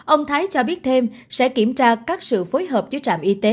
ông thái cho biết thêm sẽ kiểm tra các sự phối hợp giữa trạm y tế